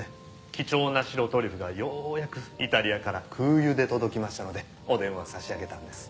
貴重な白トリュフがようやくイタリアから空輸で届きましたのでお電話差し上げたんです。